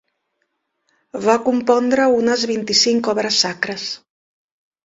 Va compondre unes vint-i-cinc obres sacres.